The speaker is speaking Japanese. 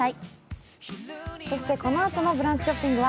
このあとの「ブランチショッピング」